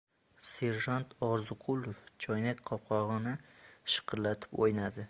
Serjant Orziqulov choynak qopqog‘ini shiqirlatib o‘ynadi.